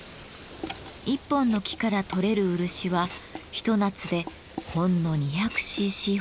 一本の木から採れる漆はひと夏でほんの２００ｃｃほど。